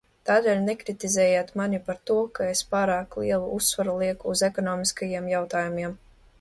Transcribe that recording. Tādēļ nekritizējiet mani par to, ka es pārāk lielu uzsvaru lieku uz ekonomiskajiem jautājumiem!